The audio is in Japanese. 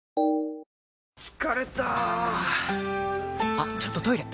あっちょっとトイレ！